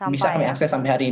bisa kami akses sampai hadapan